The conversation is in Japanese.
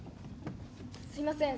すいません